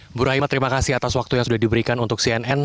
ibu rahimah terima kasih atas waktu yang sudah diberikan untuk cnn